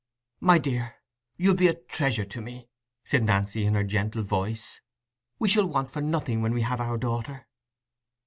"My dear, you'll be a treasure to me," said Nancy, in her gentle voice. "We shall want for nothing when we have our daughter."